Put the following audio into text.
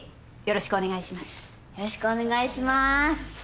よろしくお願いします。